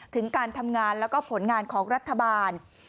ถึงการทำงานแล้วก็ผลงานของรัฐบาล